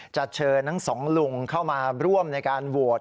จะเชิญทั้งสองลุงเข้ามาร่วมในการโหวต